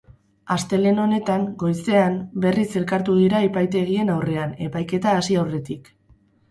Astelehen honetan goizean berriz elkartu dira epaitegien aurrean, epaiketa hasi aurretik.